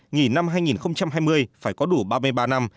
nghỉ năm hai nghìn hai mươi phải có đủ ba mươi ba năm